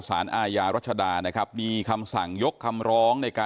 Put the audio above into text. สารอาญารัชดามีคำสั่งยกคำร้อง